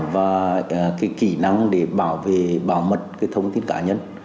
và cái kỹ năng để bảo vệ bảo mật cái thông tin cá nhân